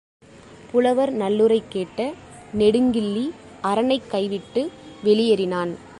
புலவர் நல்லுரை கேட்ட நெடுங்கிள்ளி, அரணைக் கைவிட்டு வெளியேறினான்.